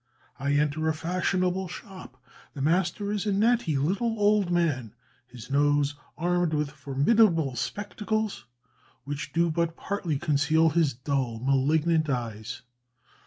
I enter a fashionable shop: the master is a natty little old man, his nose armed with formidable spectacles which do but partly conceal his dull, malignant eyes.